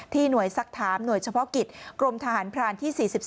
ที่หน่วยศักดิ์ธรรมหน่วยเฉพาะกิจกรมทหารพรานที่๔๓